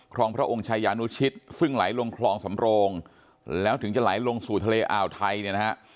รองพระองค์ชายานุชิตซึ่งไหลลงคลองสำโรงแล้วถึงจะไหลลงสู่ทะเลอ่าวไทยเนี่ยนะฮะ